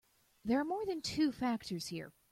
There are more than two factors here.